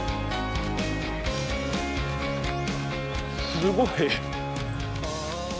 すごい。